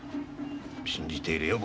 信じているよ